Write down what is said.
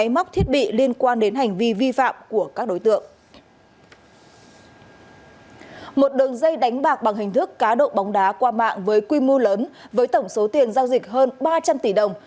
một đường dây đánh bạc bằng hình thức cá độ bóng đá qua mạng với quy mô lớn với tổng số tiền giao dịch hơn ba trăm linh tỷ đồng